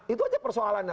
itu aja persoalannya